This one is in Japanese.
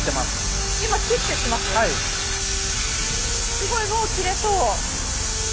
すごいもう切れそう。